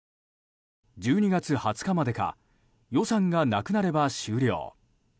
１２月２０日までか予算がなくなれば終了。